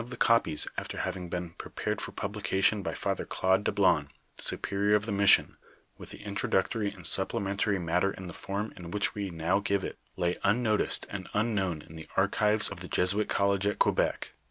Ixxvii Meanwhile one of tlie copies, after liaving been prepared for publication by Father Claude Dablon, euperior of the mission, with the introductory and supplementary nmtter in the form in which we now give it, lay unnoticed and un known in the archives of the Jesuit college at Quebec.